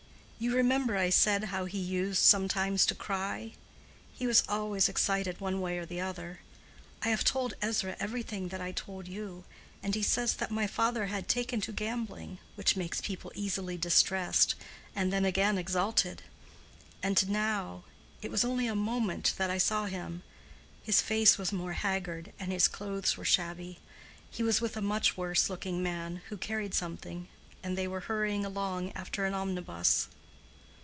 You remember I said how he used sometimes to cry. He was always excited one way or the other. I have told Ezra everything that I told you, and he says that my father had taken to gambling, which makes people easily distressed, and then again exalted. And now—it was only a moment that I saw him—his face was more haggard, and his clothes were shabby. He was with a much worse looking man, who carried something, and they were hurrying along after an omnibus."